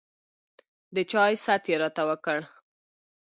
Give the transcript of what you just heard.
د چاے ست يې راته وکړو